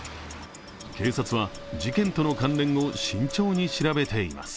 警察は事件との関連を慎重に調べています。